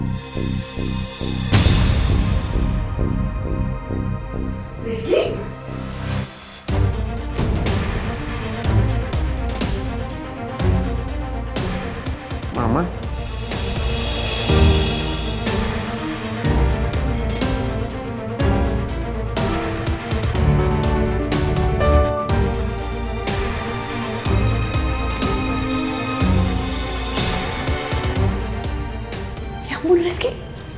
ya ampun rizky